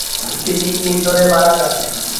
তিনি ইন্দোরে মারা যান।